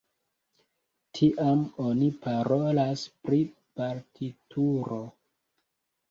Tiam oni parolas pri partituro.